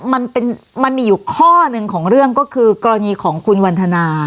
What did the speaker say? มันมีอยู่ข้อหนึ่งของเรื่องก็คือกรณีของคุณวันทนา